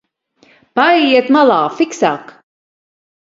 Paejiet malā, fiksāk!